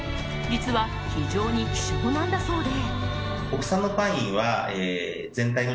実は非常に希少なんだそうで。